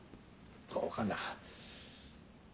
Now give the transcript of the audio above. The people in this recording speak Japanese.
どうかな。